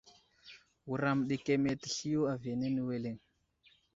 Wuram ɗi keme təsliyo aviyene wele.